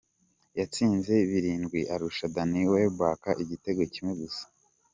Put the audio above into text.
Yatsinze birindwi arusha Danny Welbeck igitego kimwe gusa.